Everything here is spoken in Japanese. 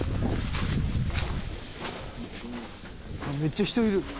「めっちゃ人いる」